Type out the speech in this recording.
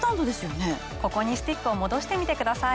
ここにスティックを戻してみてください。